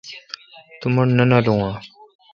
تو مہ ٹھ نہ نالون آں؟